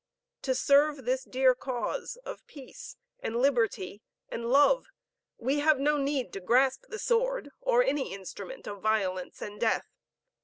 To serve this dear cause of peace and liberty and love, we have no need to grasp the sword or any instrument of violence and death.